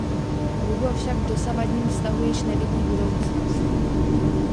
Hugo však v dosavadním vztahu již nevidí budoucnost.